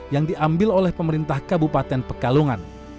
yang diambil oleh pemerintah kabupaten pekalongan